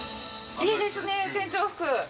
いいですね、船長服。